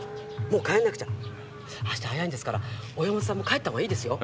もう帰んなくちゃ明日早いんですから小山田さんも帰ったほうがいいですよ